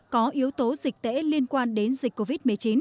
có yếu tố dịch tễ liên quan đến dịch covid một mươi chín